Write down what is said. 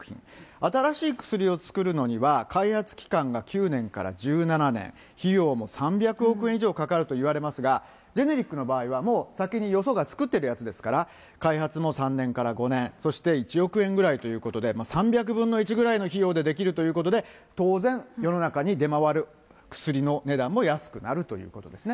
新しい薬を作るのには、開発期間が９年から１７年、費用も３００億円以上かかるといわれますが、ジェネリックの場合は、もう先によそが作ってるやつですから、開発も３年から５年、そして１億円ぐらいということで、３００分の１ぐらいの費用でできるということで、当然世の中に出回る薬の値段も安くなるということですね。